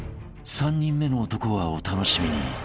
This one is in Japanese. ［３人目の男はお楽しみに］